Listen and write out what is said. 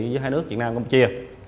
với hai nước việt nam và công chia